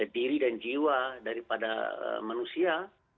diri dan jiwa daripada manusia